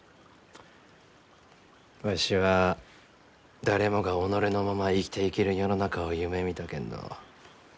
わしは誰もが己のまま生きていける世の中を夢みたけんど。